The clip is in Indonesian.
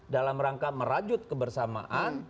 dalam rangka merajut kebersamaan